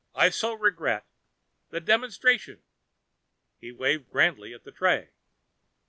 I so regret. The demonstration." He waved grandly at the tray.